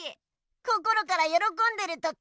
心からよろこんでる時。